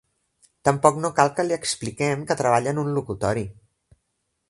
Tampoc no cal que li expliquem que treballa en un locutori...